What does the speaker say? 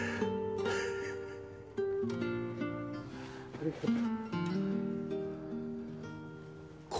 ありがとう。